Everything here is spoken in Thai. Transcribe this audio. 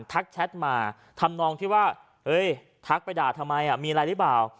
แชทมาทำนองที่ว่าเฮ้ยทักไปด่าทำไมมีอะไรหรือเปล่า